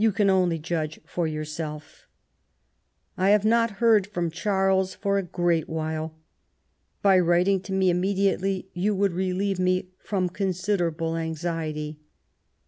can only jndge for yonrself . I have not hear4 from Charles for a great while. By writmg to me immediately yon wonld relieve me from considerable anxiety.